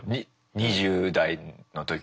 ２０代の時。